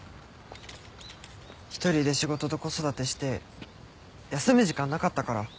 一人で仕事と子育てして休む時間なかったから。